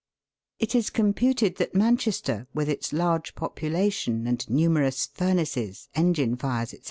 It is computed that Manchester, with its large population and numerous furnaces, engine fires, &c.